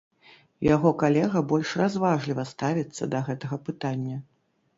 Яго калега больш разважліва ставіцца да гэтага пытання.